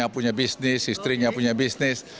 punya bisnis istrinya punya bisnis